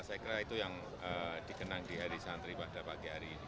saya kira itu yang dikenang di hari santri pada pagi hari ini